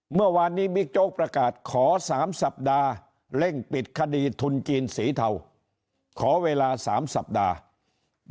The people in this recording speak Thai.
เมื่อวานนี้บิ๊กโจ๊กประกาศขอ๓สัปดาห์เร่งปิดคดีทุนจีนสีเทาขอเวลา๓สัปดาห์